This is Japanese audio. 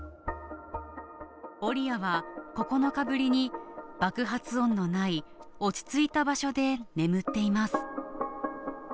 オリアは９日ぶりに、爆発音のない落ち着いた場所で眠っています。